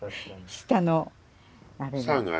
下のあれが。